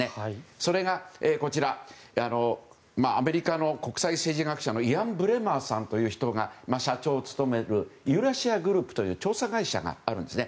それが、アメリカの国際政治学者イアン・ブレマーさんという人が社長を務めるユーラシア・グループという調査会社があるんですね。